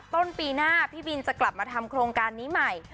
ต้นปีหน้าพี่บินจะกลับมาทำโครงการนี้ใหม่